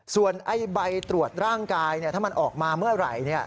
ส่วนใบตรวจร่างกายถ้ามันออกมาเมื่อไหร่